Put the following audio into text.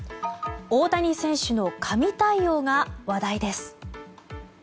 大谷選手の神対応が話題です。